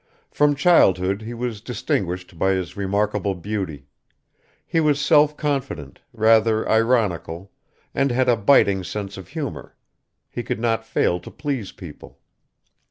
From childhood he was distinguished by his remarkable beauty; he was self confident, rather ironical, and had a biting sense of humor; he could not fail to please people.